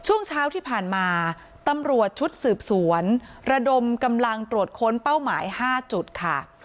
ช่วงเช้าที่ผ่านมาตำรวจชุดสืบสวนระดมกำลังตรวจค้นเป้าหมาย๕จุดค่ะ